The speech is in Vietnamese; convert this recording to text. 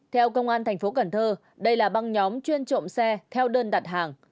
theo công an thành phố cần thơ đây là băng nhóm chuyên trộm xe theo đơn đặt hàng